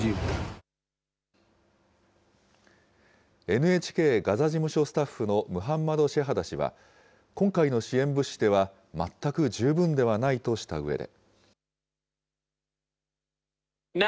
ＮＨＫガザ事務所スタッフのムハンマド・シェハダ氏は、今回の支援物資では全く十分ではないとしたうえで。